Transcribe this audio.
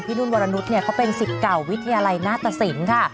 พี่นุลวรนุธนี่เขาเป็นศิกเก่าวิทยาลัยนาตตสินค่ะ